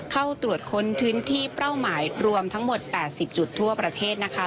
เข้าตรวจค้นพื้นที่เป้าหมายรวมทั้งหมด๘๐จุดทั่วประเทศนะคะ